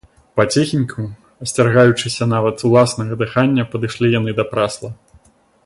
Паціхеньку, асцерагаючыся нават уласнага дыхання, падышлі яны да прасла.